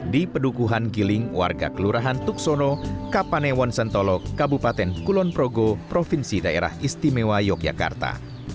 di pedukuhan giling warga kelurahan tuksono kapanewon sentolok kabupaten kulonprogo provinsi daerah istimewa yogyakarta